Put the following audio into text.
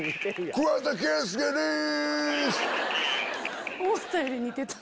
桑田佳祐でぇす！